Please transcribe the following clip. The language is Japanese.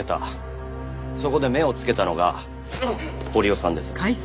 そこで目を付けたのが堀尾さんです。